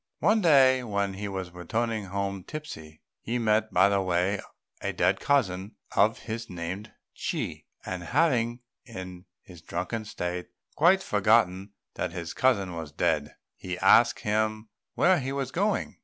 One day as he was returning home tipsy, he met by the way a dead cousin of his named Chi; and having, in his drunken state, quite forgotten that his cousin was dead, he asked him where he was going.